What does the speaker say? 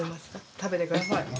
食べてください。